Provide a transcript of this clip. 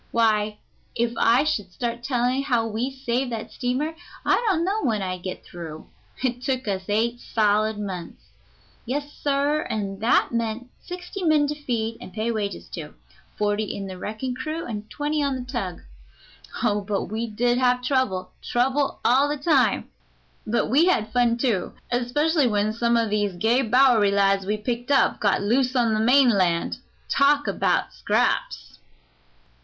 Why, if I should start telling how we saved that steamer I don't know when I'd get through. It took us eight solid months. Yes, sir, and that meant sixty men to feed and pay wages to forty in the wrecking crew and twenty on the tug. Oh, but we did have trouble trouble all the time, but we had fun, too, especially when some o' these gay Bowery lads we'd picked up got loose on the mainland. Talk about scraps!"